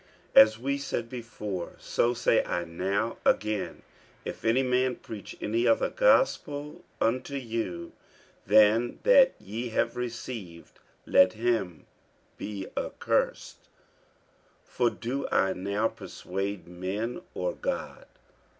48:001:009 As we said before, so say I now again, if any man preach any other gospel unto you than that ye have received, let him be accursed. 48:001:010 For do I now persuade men, or God?